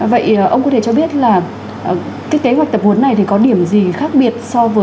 vậy ông có thể cho biết là kế hoạch tập huấn này có điểm gì khác biệt